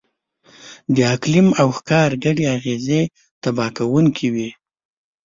د اقلیم او ښکار ګډې اغېزې تباه کوونکې وې.